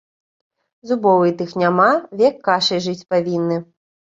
Зубоў і тых няма, век кашай жыць павінны.